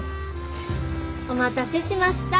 お待たせしました。